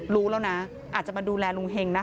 รู้แล้วนะอาจจะมาดูแลลุงเฮงนะคะ